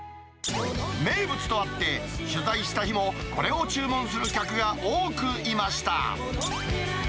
名物とあって、取材した日も、これを注文する客が多くいました。